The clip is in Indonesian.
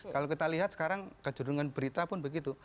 kalau kita lihat sekarang kejurungan berita pun begitu